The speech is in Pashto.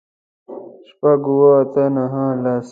شپږ، اووه، اته، نهه، لس